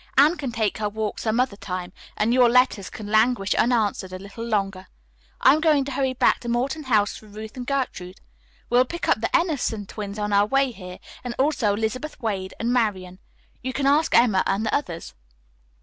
Anne can take her walk some other time, and your letters can languish unanswered a little longer. I'm going to hurry back to Morton House for Ruth and Gertrude. We will pick up the Emerson twins on our way here, and also Elizabeth Wade and Marian. You can ask Emma and the others."